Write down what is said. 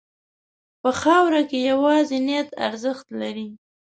په خاوره کې یوازې نیت ارزښت لري.